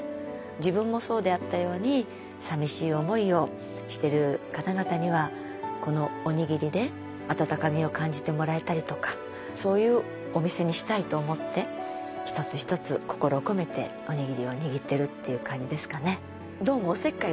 自分もそうであったように寂しい思いをしてる方々にはこのおにぎりで温かみを感じてもらえたりとかそういうお店にしたいと思って一つ一つ心を込めておにぎりを握ってるっていう感じですかね